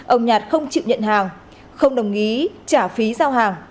ông nhạt không chịu nhận hàng không đồng ý trả phí giao hàng